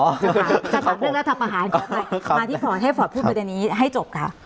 ถ้าถามเรื่องรัฐประหารก่อนไปมาที่ฝอดให้ฝอดพูดเรื่องนี้ให้จบครับ